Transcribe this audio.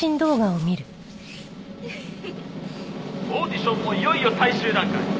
「オーディションもいよいよ最終段階！」